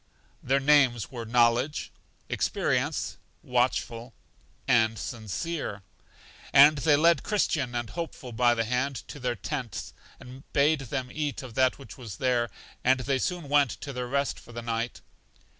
Their names were Knowledge, Experience, Watchful, and Sincere, and they led Christian and Hopeful by the hand to their tents, and bade them eat of that which was there, and they soon went to their rest for the night.